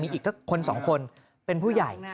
มีอีกคนสองคนเป็นผู้ใหญ่